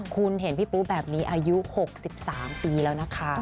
คุณเห็นพี่ปุ๊แบบนี้อายุ๖๓ปีแล้วนะคะ